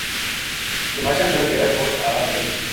نماشاں نا ڈیرا کول آ گئی